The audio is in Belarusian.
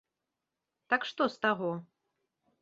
Так што з таго?